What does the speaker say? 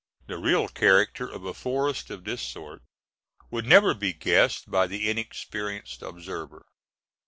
The real character of a forest of this sort would never be guessed by the inexperienced observer.